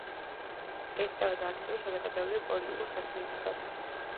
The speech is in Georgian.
ეწეოდა აქტიურ საზოგადოებრივ პოლიტიკურ საქმიანობას.